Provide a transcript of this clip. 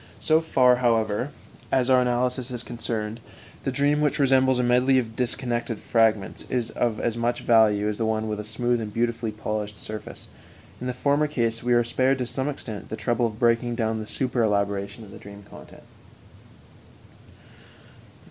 So far, however, as our analysis is concerned, the dream, which resembles a medley of disconnected fragments, is of as much value as the one with a smooth and beautifully polished surface. In the former case we are spared, to some extent, the trouble of breaking down the super elaboration of the dream content.